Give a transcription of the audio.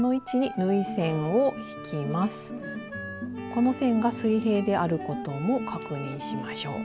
この線が水平であることも確認しましょう。